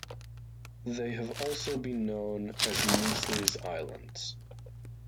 They have also been known as Neeslys Islands.